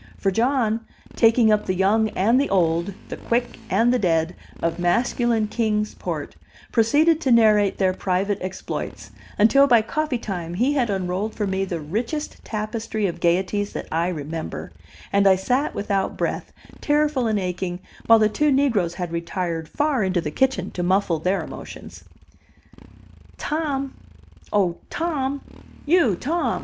For John, taking up the young and the old, the quick and the dead, of masculine Kings Port, proceeded to narrate their private exploits, until by coffee time he had unrolled for me the richest tapestry of gayeties that I remember, and I sat without breath, tearful and aching, while the two negroes had retired far into the kitchen to muffle their emotions. "Tom, oh Tom! you Tom!"